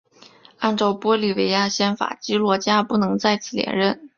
按照玻利维亚宪法基罗加不能再次连任。